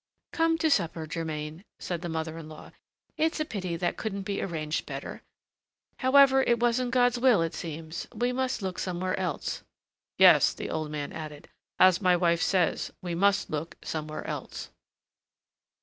"Come to supper, Germain," said the mother in law. "It's a pity that couldn't be arranged better; however, it wasn't God's will, it seems. We must look somewhere else." "Yes," the old man added, "as my wife says, we must look somewhere else."